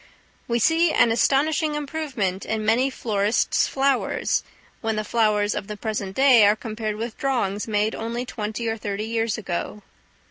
We see an astonishing improvement in many florists' flowers, when the flowers of the present day are compared with drawings made only twenty or thirty years ago.